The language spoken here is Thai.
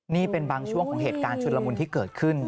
นี่เป็นบางช่วงของเหตุการณ์ชุดละมุนที่เกิดขึ้น